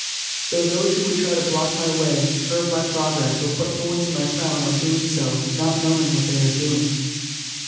So those who would try to block my way, curb my progress or put thorns in my crown are doing so "not knowing what they are doing."